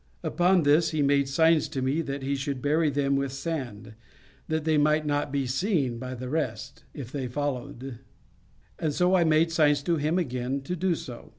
Upon this he made signs to me that he should bury them with sand, that they might not be seen by the rest, if they followed; and so I made signs to him again to do so.